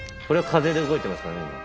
これは風で動いてますからね